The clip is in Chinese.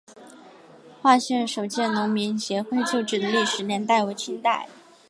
化县首届农民协会旧址的历史年代为清代。